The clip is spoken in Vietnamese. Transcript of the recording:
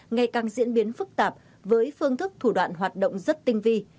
ngày càng diễn biến phức tạp với phương thức thủ đoạn hoạt động rất tinh vi